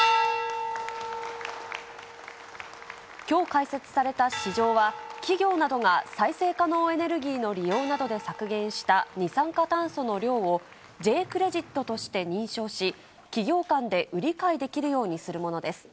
きょう開設された市場は、企業などが再生可能エネルギーの利用などで削減した二酸化炭素の量を、Ｊークレジットとして認証し、企業間で売り買いできるようにするものです。